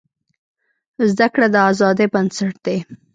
زده کړه د ازادۍ بنسټ دی.